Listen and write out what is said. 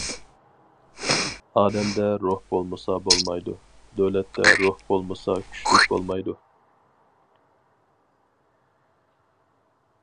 ئادەمدە روھ بولمىسا بولمايدۇ، دۆلەتتە روھ بولمىسا كۈچلۈك بولمايدۇ.